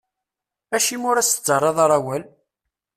Acimi ur as-tettarraḍ ara awal?